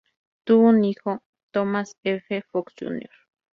Tuvo un hijo, Thomas F. Fox, Jr.